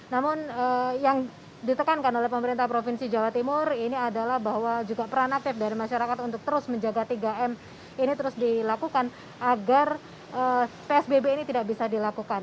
namun yang ditekankan oleh pemerintah provinsi jawa timur ini adalah bahwa juga peran aktif dari masyarakat untuk terus menjaga tiga m ini terus dilakukan agar psbb ini tidak bisa dilakukan